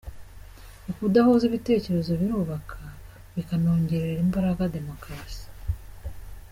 Ukudahuza ibitekerezo birubaka bikanongerera imbaraga demokarasi.”